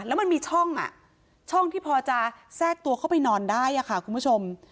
แล้วมันมีช่องช่องที่พอจะแทรกตัวเข้าไปนอนได้ค่ะคุณผู้ชม